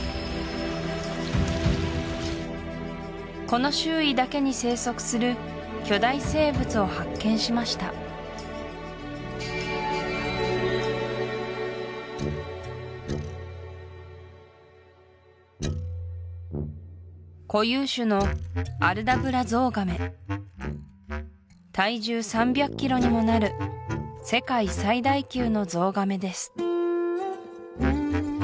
この周囲だけに生息する巨大生物を発見しました固有種のアルダブラゾウガメ体重３００ｋｇにもなる世界最大級のゾウガメです